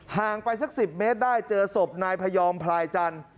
ห่างไปสัก๑๐เมตรได้เจอศพนายพยอมพลายจันทร์